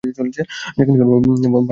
যেখানকার ভাষাও আমরা জানি না।